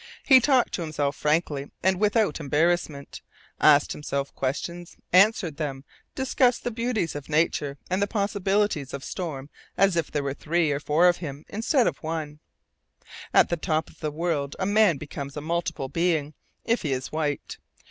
He talked to himself frankly and without embarrassment, asked himself questions, answered them, discussed the beauties of nature and the possibilities of storm as if there were three or four of him instead of one. At the top end of the world a man becomes a multiple being if he is white.